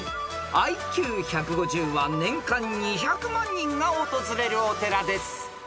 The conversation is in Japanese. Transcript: ［ＩＱ１５０は年間２００万人が訪れるお寺です］